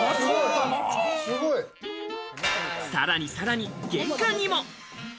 さらにさらに玄関にも。